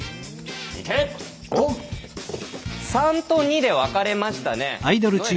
３と２で分かれましたね。